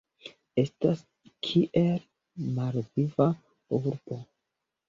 Estas kiel malviva urbo.